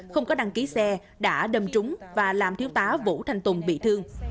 không có đăng ký xe đã đâm trúng và làm thiếu tá vũ thanh tùng bị thương